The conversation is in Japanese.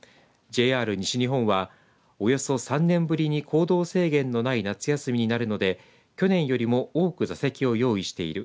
ＪＲ西日本は、およそ３年ぶりに行動制限のない夏休みになるので去年よりも多く座席を用意している。